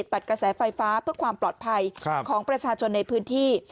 ตัดกระแสไฟฟ้าเพื่อความปลอดภัยของประชาชนในพื้นที่